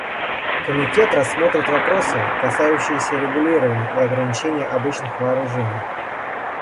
Комитет рассмотрит вопросы, касающиеся регулирования и ограничения обычных вооружений.